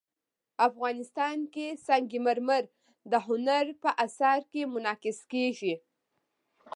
افغانستان کې سنگ مرمر د هنر په اثار کې منعکس کېږي.